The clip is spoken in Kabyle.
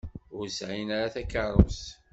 Ur sɛin ara takeṛṛust.